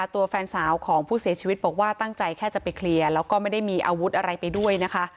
ตัวแฟนสาวของผู้เสียชีวิตบอกว่าตั้งใจแค่จะไปเคลียร์แล้วก็ไม่ได้มีอาวุธอะไรไปด้วยนะคะ